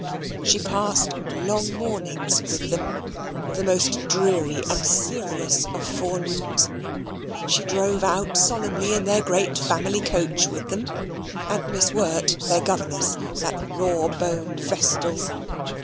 She passed "long mornings" with them the most dreary and serious of forenoons. She drove out solemnly in their great family coach with them, and Miss Wirt their governess, that raw boned Vestal.